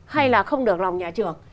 hay là không được lòng nhà trường